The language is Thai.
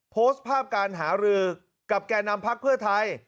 โพสต์ภาพการหารือกับแก่นำพักเพื่อไทย